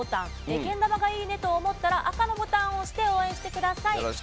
けん玉が「いいね」と思ったら赤のボタンを押して応援してください。